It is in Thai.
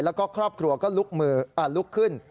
แล้วก็ครอบครัวก็ลุกขึ้น